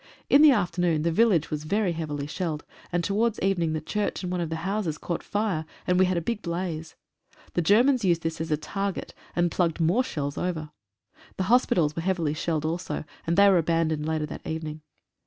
In the afternoon the village was very heavily shelled, and to wards evening the church and one of the houses caught fire, and we had a big blaze. The Germans used this as a target, and plugged more shells over. The hospi tals were heavily shelled also, and they were abandoned later that evening.